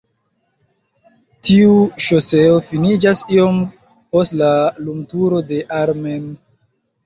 Tiu ŝoseo finiĝas iom post la lumturo de Ar-Men.